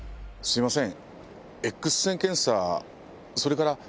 すいません。